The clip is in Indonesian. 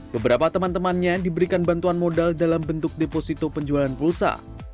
beberapa teman temannya diberikan bantuan modal dalam bentuk deposito penjualan pulsa